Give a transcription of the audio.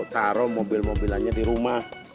taruh mobil mobilannya di rumah